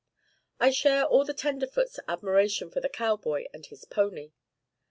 I share all the tenderfoot's admiration for the cowboy and his 'pony.'